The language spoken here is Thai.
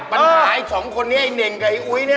ปัญหาอีกสองคนนี้ไอ้เน่งกับไอ้อุ๊ยเนี่ย